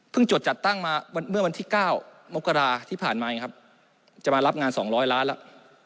จดจัดตั้งมาเมื่อวันที่๙มกราที่ผ่านมาครับจะมารับงาน๒๐๐ล้านแล้ว